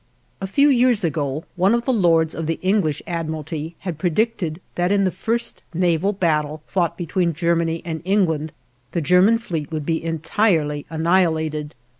A few years ago, one of the Lords of the English Admiralty had predicted that in the first naval battle fought between Germany and England, the German fleet would be entirely annihilated.